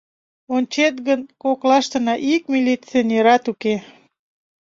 Ончет гын, коклаштына ик милиционерат уке.